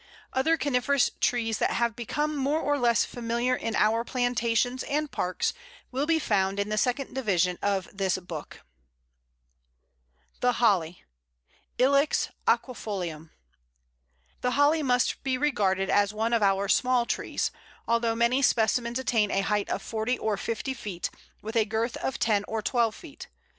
Other coniferous trees that have become more or less familiar in our plantations and parks will be found in the second division of this book. [Illustration: Pl. 80. Male Flowers of Scots Pine.] The Holly (Ilex aquifolium). The Holly must be regarded as one of our small trees, although many specimens attain a height of forty or fifty feet, with a girth of ten or twelve feet.